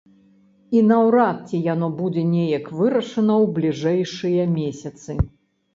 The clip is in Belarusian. І наўрад ці яно будзе неяк вырашана ў бліжэйшыя месяцы.